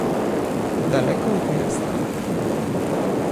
"Daleko od miasta..."